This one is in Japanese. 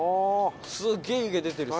すげえ湯気出てるし。